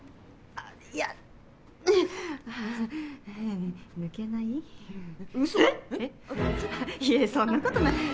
いやいやそんなことない。